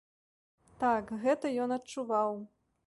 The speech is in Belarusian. Так, гэта ён адчуваў.